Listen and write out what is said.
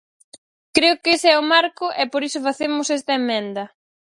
Creo que ese é o marco e por iso facemos esta emenda.